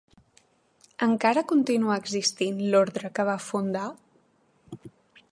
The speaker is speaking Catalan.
Encara continua existint l'ordre que va fundar?